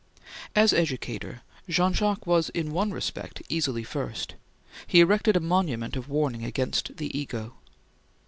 As educator, Jean Jacques was, in one respect, easily first; he erected a monument of warning against the Ego.